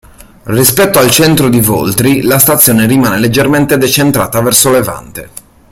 Rispetto al centro di Voltri la stazione rimane leggermente decentrata verso levante.